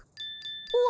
うわ！